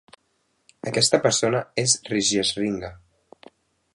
Aquesta persona és Rishyasringa.